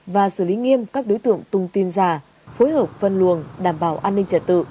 và xử lý nghiêm các đối tượng tung tin giả phối hợp phân luồng đảm bảo an ninh trật tự